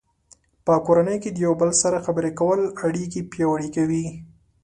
په کورنۍ کې د یو بل سره خبرې کول اړیکې پیاوړې کوي.